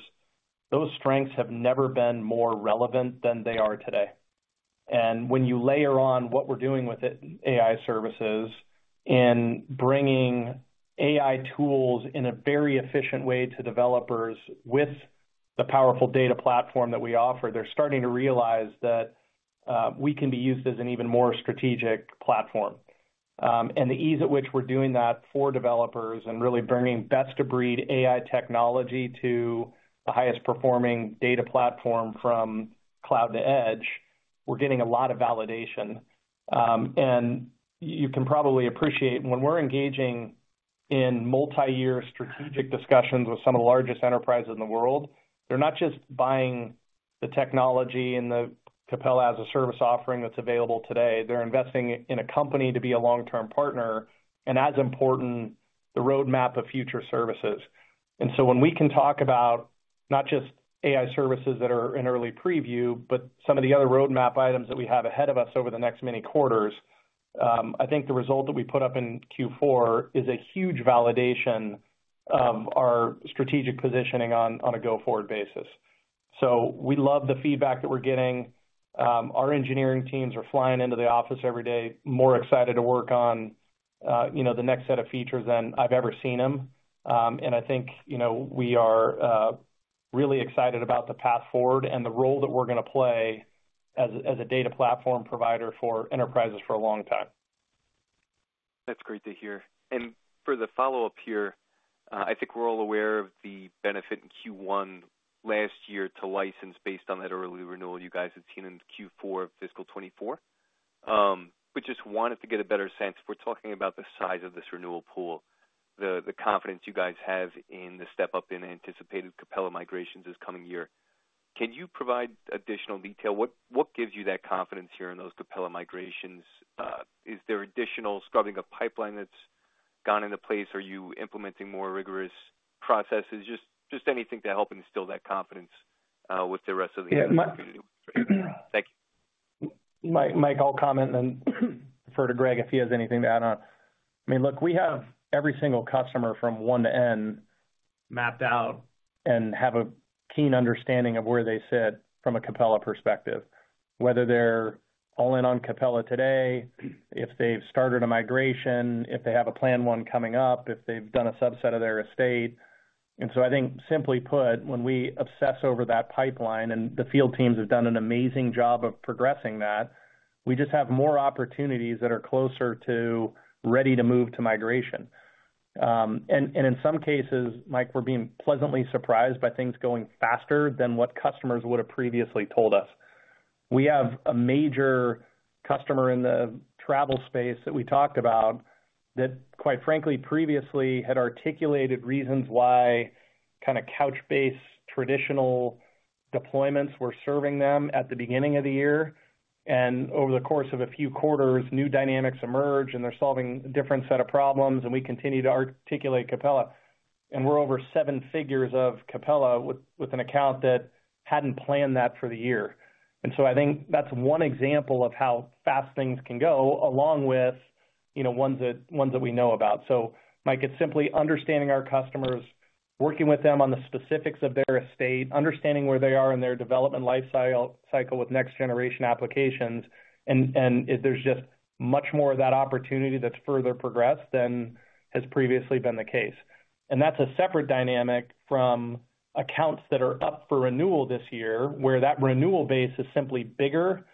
those strengths have never been more relevant than they are today. And when you layer on what we're doing with AI Services and bringing AI tools in a very efficient way to developers with the powerful data platform that we offer, they're starting to realize that we can be used as an even more strategic platform. And the ease at which we're doing that for developers and really bringing best-of-breed AI technology to the highest-performing data platform from cloud to edge, we're getting a lot of validation. You can probably appreciate when we're engaging in multi-year strategic discussions with some of the largest enterprises in the world. They're not just buying the technology and the Capella as-a-service offering that's available today. They're investing in a company to be a long-term partner and, as important, the roadmap of future services. So when we can talk about not just AI Services that are in early preview, but some of the other roadmap items that we have ahead of us over the next many quarters, I think the result that we put up in Q4 is a huge validation of our strategic positioning on a go-forward basis. We love the feedback that we're getting. Our engineering teams are flying into the office every day, more excited to work on the next set of features than I've ever seen them. And I think we are really excited about the path forward and the role that we're going to play as a data platform provider for enterprises for a long time. That's great to hear. And for the follow-up here, I think we're all aware of the benefit in Q1 last year to license based on that early renewal you guys had seen in Q4 of fiscal 2024. But just wanted to get a better sense. We're talking about the size of this renewal pool, the confidence you guys have in the step-up in anticipated Capella migrations this coming year. Can you provide additional detail? What gives you that confidence here in those Capella migrations? Is there additional scrubbing of pipeline that's gone into place? Are you implementing more rigorous processes? Just anything to help instill that confidence with the rest of the community? Thank you. Mike, I'll comment and then defer to Greg if he has anything to add on. I mean, look, we have every single customer from one end to end mapped out and have a keen understanding of where they sit from a Capella perspective, whether they're all in on Capella today, if they've started a migration, if they have a plan one coming up, if they've done a subset of their estate. So I think, simply put, when we obsess over that pipeline and the field teams have done an amazing job of progressing that, we just have more opportunities that are closer to ready to move to migration. In some cases, Mike, we're being pleasantly surprised by things going faster than what customers would have previously told us. We have a major customer in the travel space that we talked about that, quite frankly, previously had articulated reasons why kind of Couchbase traditional deployments were serving them at the beginning of the year, and over the course of a few quarters, new dynamics emerge, and they're solving a different set of problems, and we continue to articulate Capella, and we're over seven figures of Capella with an account that hadn't planned that for the year, and so I think that's one example of how fast things can go, along with ones that we know about, so Mike, it's simply understanding our customers, working with them on the specifics of their estate, understanding where they are in their development lifecycle with next-generation applications, and there's just much more of that opportunity that's further progressed than has previously been the case. And that's a separate dynamic from accounts that are up for renewal this year, where that renewal base is simply bigger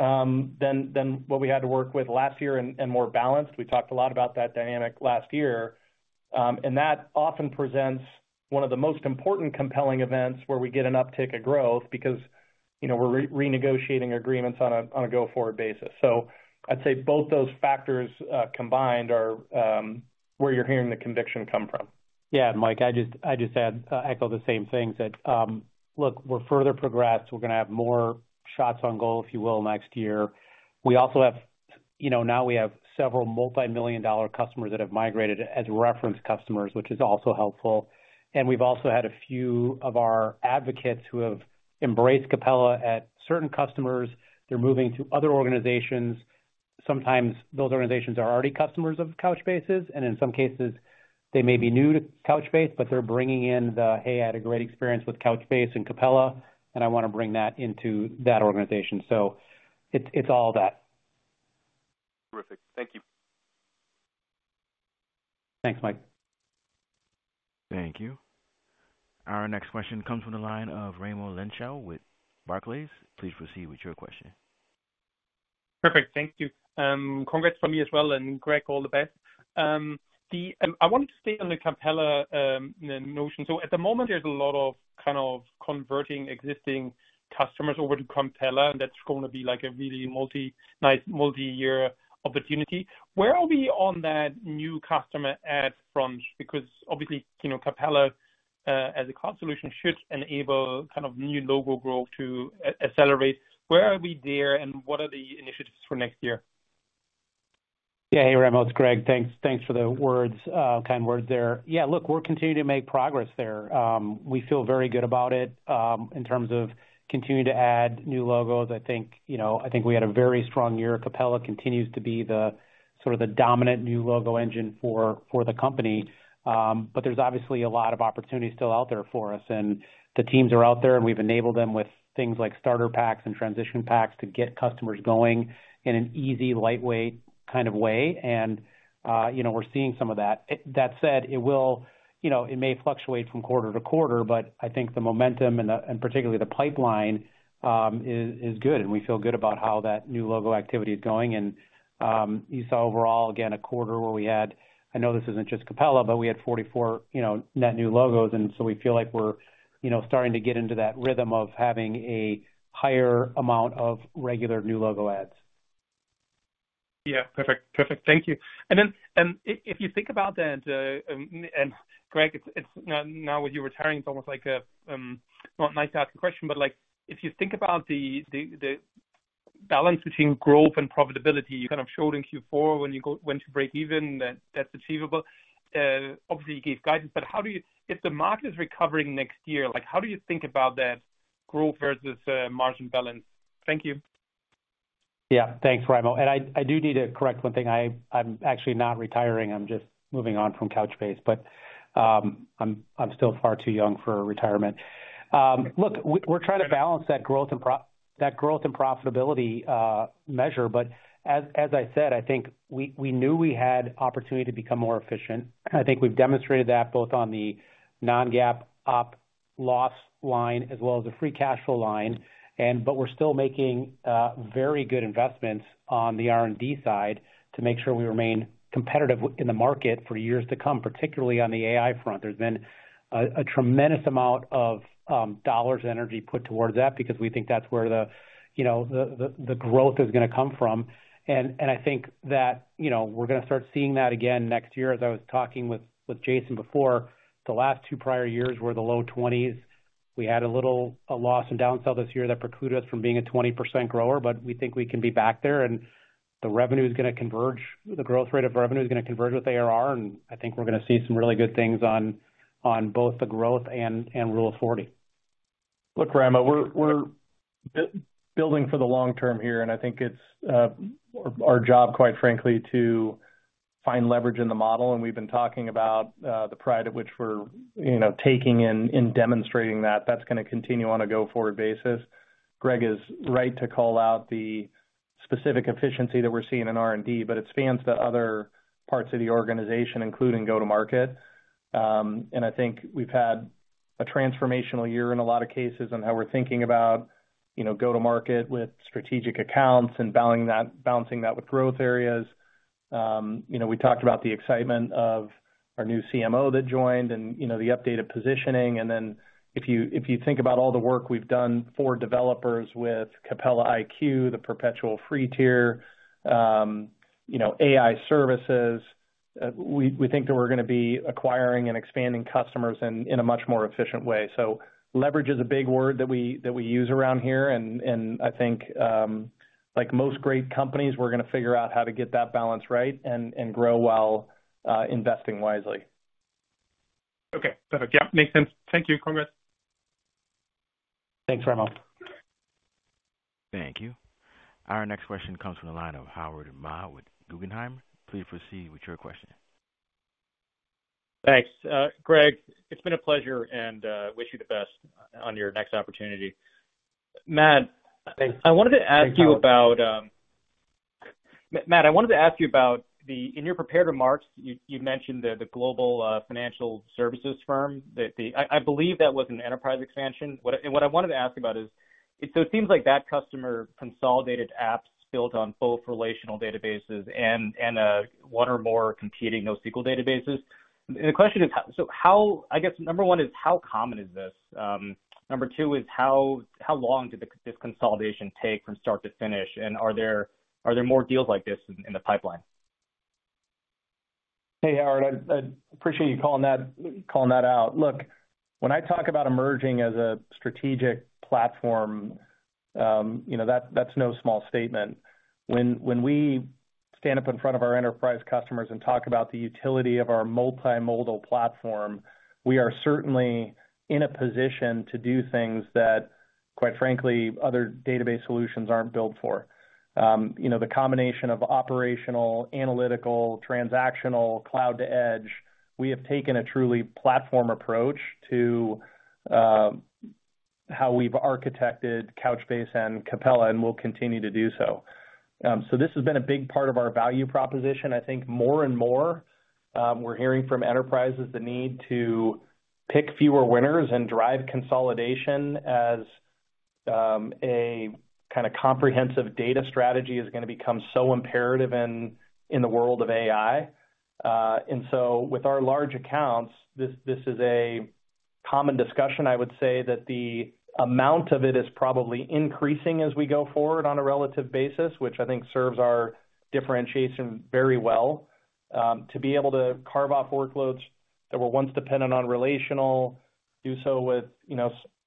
than what we had to work with last year and more balanced. We talked a lot about that dynamic last year. And that often presents one of the most important compelling events where we get an uptick of growth because we're renegotiating agreements on a go-forward basis. So I'd say both those factors combined are where you're hearing the conviction come from. Yeah, Mike, I just echo the same things that, look, we're further progressed. We're going to have more shots on goal, if you will, next year. We also have several multi-million dollar customers that have migrated as reference customers, which is also helpful. And we've also had a few of our advocates who have embraced Capella at certain customers. They're moving to other organizations. Sometimes those organizations are already customers of Couchbase's, and in some cases, they may be new to Couchbase, but they're bringing in the, "Hey, I had a great experience with Couchbase and Capella, and I want to bring that into that organization," so it's all that. Terrific. Thank you. Thanks, Mike. Thank you. Our next question comes from the line of Raimo Lenschow with Barclays. Please proceed with your question. Perfect. Thank you. Congrats from me as well, and Greg, all the best. I wanted to stay on the Capella notion. At the moment, there's a lot of kind of converting existing customers over to Capella, and that's going to be like a really nice multi-year opportunity. Where are we on that new customer acquisition front? Because obviously, Capella as a cloud solution should enable kind of new logo growth to accelerate. Where are we there, and what are the initiatives for next year? Yeah, hey, Raimo. It's Greg. Thanks for the kind words there. Yeah, look, we're continuing to make progress there. We feel very good about it in terms of continuing to add new logos. I think we had a very strong year. Capella continues to be sort of the dominant new logo engine for the company. But there's obviously a lot of opportunity still out there for us. And the teams are out there, and we've enabled them with things like starter packs and transition packs to get customers going in an easy, lightweight kind of way. And we're seeing some of that. That said, it may fluctuate from quarter to quarter, but I think the momentum and particularly the pipeline is good. And we feel good about how that new logo activity is going. And you saw overall, again, a quarter where we had, I know this isn't just Capella, but we had 44 net new logos. And so we feel like we're starting to get into that rhythm of having a higher amount of regular new logo ads. Yeah. Perfect. Perfect. Thank you. And then if you think about that, and Greg, now with you retiring, it's almost like a not nice-to-ask question, but if you think about the balance between growth and profitability you kind of showed in Q4 when you went to break even, that's achievable. Obviously, you gave guidance, but if the market is recovering next year, how do you think about that growth versus margin balance? Thank you. Yeah. Thanks, Raimo. And I do need to correct one thing. I'm actually not retiring. I'm just moving on from Couchbase, but I'm still far too young for retirement. Look, we're trying to balance that growth and profitability measure. But as I said, I think we knew we had opportunity to become more efficient. I think we've demonstrated that both on the non-GAAP operating loss line as well as the free cash flow line. But we're still making very good investments on the R&D side to make sure we remain competitive in the market for years to come, particularly on the AI front. There's been a tremendous amount of dollars and energy put towards that because we think that's where the growth is going to come from. And I think that we're going to start seeing that again next year. As I was talking with Jason before, the last two prior years were the low 20s. We had a little loss and downsell this year that precluded us from being a 20% grower, but we think we can be back there. The revenue is going to converge. The growth rate of revenue is going to converge with ARR. I think we're going to see some really good things on both the growth and Rule of 40. Look, Raimo, we're building for the long term here. I think it's our job, quite frankly, to find leverage in the model. We've been talking about the strides which we're taking and demonstrating that. That's going to continue on a go-forward basis. Greg is right to call out the specific efficiency that we're seeing in R&D, but it spans to other parts of the organization, including go-to-market. And I think we've had a transformational year in a lot of cases on how we're thinking about go-to-market with strategic accounts and balancing that with growth areas. We talked about the excitement of our new CMO that joined and the updated positioning. And then if you think about all the work we've done for developers with Capella iQ, the perpetual free tier, AI services, we think that we're going to be acquiring and expanding customers in a much more efficient way. So leverage is a big word that we use around here. And I think, like most great companies, we're going to figure out how to get that balance right and grow while investing wisely. Okay. Perfect. Yep. Makes sense. Thank you. Congrats. Thanks, Raimo. Thank you. Our next question comes from the line of Howard Ma with Guggenheim. Please proceed with your question. Thanks. Greg, it's been a pleasure and wish you the best on your next opportunity. Matt, I wanted to ask you about the, in your prepared remarks, you mentioned the global financial services firm. I believe that was an enterprise expansion, and what I wanted to ask about is, so it seems like that customer consolidated apps built on both relational databases and one or more competing NoSQL databases. The question is, so I guess number one is, how common is this? Number two is, how long did this consolidation take from start to finish? And are there more deals like this in the pipeline? Hey, Howard, I appreciate you calling that out. Look, when I talk about emerging as a strategic platform, that's no small statement. When we stand up in front of our enterprise customers and talk about the utility of our multimodal platform, we are certainly in a position to do things that, quite frankly, other database solutions aren't built for. The combination of operational, analytical, transactional, cloud-to-edge, we have taken a truly platform approach to how we've architected Couchbase and Capella and will continue to do so. So this has been a big part of our value proposition. I think more and more we're hearing from enterprises the need to pick fewer winners and drive consolidation as a kind of comprehensive data strategy is going to become so imperative in the world of AI. And so with our large accounts, this is a common discussion. I would say that the amount of it is probably increasing as we go forward on a relative basis, which I think serves our differentiation very well. To be able to carve off workloads that were once dependent on relational, do so with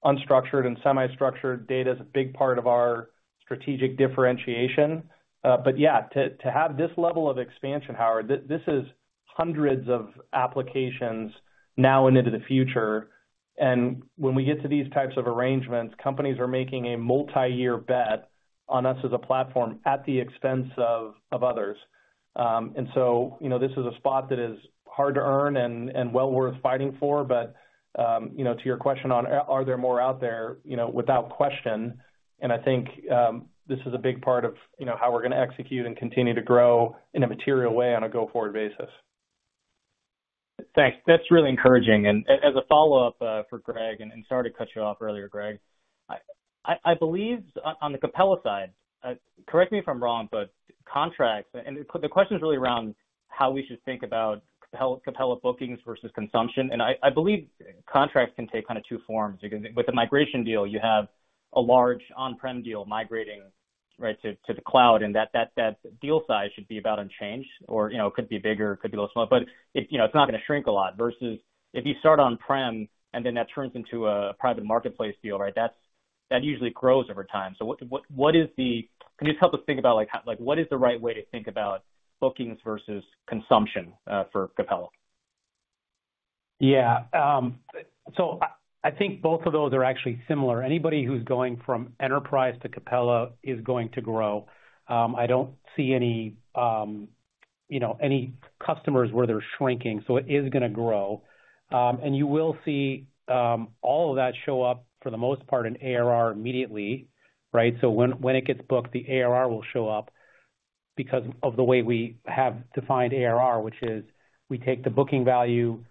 unstructured and semi-structured data is a big part of our strategic differentiation. But yeah, to have this level of expansion, Howard, this is hundreds of applications now and into the future. And when we get to these types of arrangements, companies are making a multi-year bet on us as a platform at the expense of others. And so this is a spot that is hard to earn and well worth fighting for. But to your question on, are there more out there? Without question. And I think this is a big part of how we're going to execute and continue to grow in a material way on a go-forward basis. Thanks. That's really encouraging. As a follow-up for Greg, and sorry to cut you off earlier, Greg, I believe on the Capella side, correct me if I'm wrong, but contracts, and the question is really around how we should think about Capella bookings versus consumption. I believe contracts can take kind of two forms. With a migration deal, you have a large on-prem deal migrating to the cloud, and that deal size should be about unchanged, or it could be bigger, it could be a little smaller, but it's not going to shrink a lot. Versus if you start on-prem and then that turns into a private marketplace deal, that usually grows over time. What is the, can you just help us think about what is the right way to think about bookings versus consumption for Capella? Yeah. I think both of those are actually similar. Anybody who's going from enterprise to Capella is going to grow. I don't see any customers where they're shrinking. So it is going to grow. And you will see all of that show up, for the most part, in ARR immediately. So when it gets booked, the ARR will show up because of the way we have defined ARR, which is we take the booking value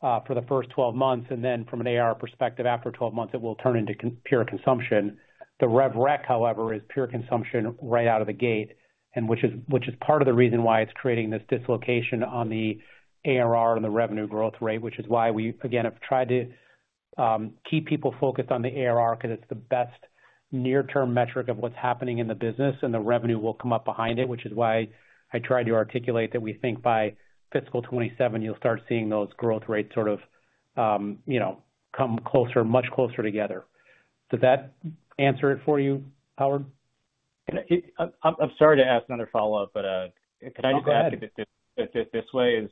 for the first 12 months, and then from an ARR perspective, after 12 months, it will turn into pure consumption. The rev rec, however, is pure consumption right out of the gate, which is part of the reason why it's creating this dislocation on the ARR and the revenue growth rate, which is why we, again, have tried to keep people focused on the ARR because it's the best near-term metric of what's happening in the business, and the revenue will come up behind it, which is why I tried to articulate that we think by fiscal 2027, you'll start seeing those growth rates sort of come closer, much closer together. Does that answer it for you, Howard? I'm sorry to ask another follow-up, but can I just ask it this way? Is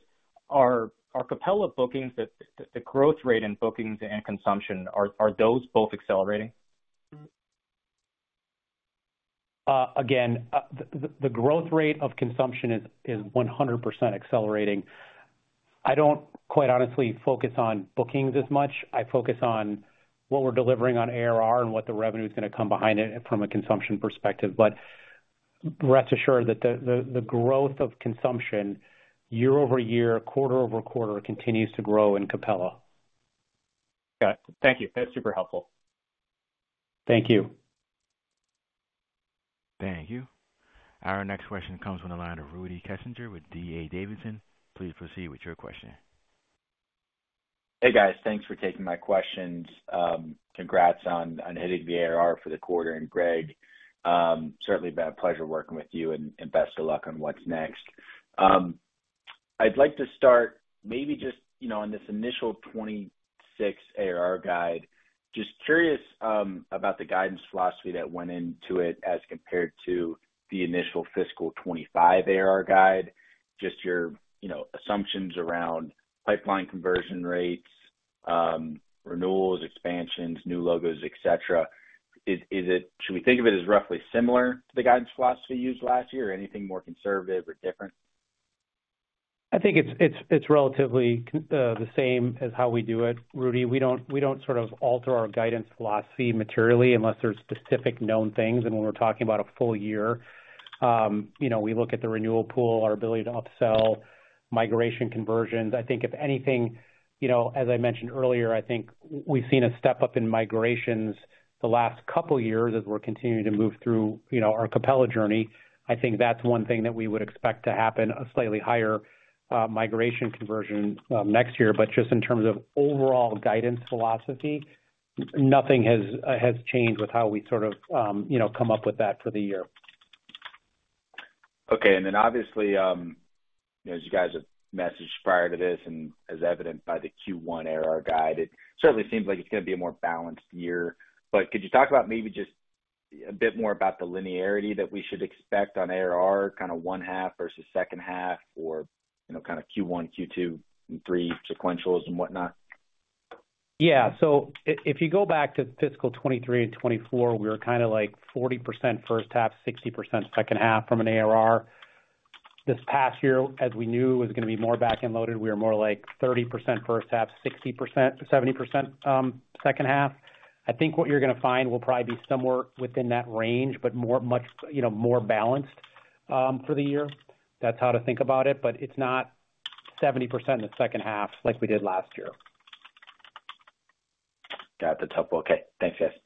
our Capella bookings, the growth rate in bookings and consumption, are those both accelerating? Again, the growth rate of consumption is 100% accelerating. I don't quite honestly focus on bookings as much. I focus on what we're delivering on ARR and what the revenue is going to come behind it from a consumption perspective. But rest assured that the growth of consumption, year over year, quarter over quarter, continues to grow in Capella. Got it. Thank you. That's super helpful. Thank you. Thank you. Our next question comes from the line of Rudy Kessinger with D.A. Davidson. Please proceed with your question. Hey, guys. Thanks for taking my questions. Congrats on hitting the ARR for the quarter. And Greg, certainly been a pleasure working with you, and best of luck on what's next. I'd like to start maybe just on this initial 26 ARR guide. Just curious about the guidance philosophy that went into it as compared to the initial fiscal 25 ARR guide, just your assumptions around pipeline conversion rates, renewals, expansions, new logos, etc. Should we think of it as roughly similar to the guidance philosophy used last year or anything more conservative or different? I think it's relatively the same as how we do it, Rudy. We don't sort of alter our guidance philosophy materially unless there's specific known things. And when we're talking about a full year, we look at the renewal pool, our ability to upsell, migration conversions. I think if anything, as I mentioned earlier, I think we've seen a step up in migrations the last couple of years as we're continuing to move through our Capella journey. I think that's one thing that we would expect to happen, a slightly higher migration conversion next year. But just in terms of overall guidance philosophy, nothing has changed with how we sort of come up with that for the year. Okay. Then obviously, as you guys have messaged prior to this and as evident by the Q1 ARR guide, it certainly seems like it's going to be a more balanced year. But could you talk about maybe just a bit more about the linearity that we should expect on ARR, kind of first half versus second half, or kind of Q1, Q2, and Q3 sequentials and whatnot? Yeah. So if you go back to fiscal 2023 and 2024, we were kind of like 40% first half, 60% second half from an ARR. This past year, as we knew it was going to be more back-end loaded, we were more like 30% first half, 60%-70% second half. I think what you're going to find will probably be somewhere within that range, but much more balanced for the year. That's how to think about it. But it's not 70% in the second half like we did last year. Got the tough one. Okay. Thanks, guys.